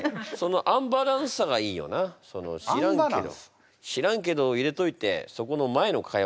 その「知らんけど」「知らんけど」を入れておいてそこの前の会話があるという。